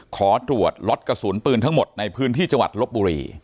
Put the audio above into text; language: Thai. ขอตรวจล็อตกระสุนปืนทั้งหมดในพื้นที่จังหวัดลบบุรี